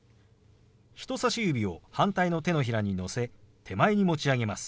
人さし指を反対の手のひらにのせ手前に持ち上げます。